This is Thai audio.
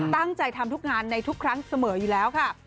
ตั้งใจทำทุกงานในทุกครั้งเสมออยู่แล้วค่ะ